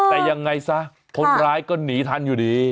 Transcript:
แต่ยังไงซะคนร้ายก็หนีทันอยู่ดี